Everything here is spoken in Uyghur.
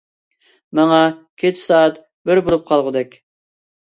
ماڭا كېچە سائەت بىر بولۇپ قالغۇدەك.